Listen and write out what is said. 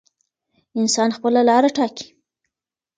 انسان خپله لاره ټاکي.